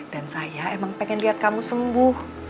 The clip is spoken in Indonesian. dan saya emang pengen lihat kamu sembuh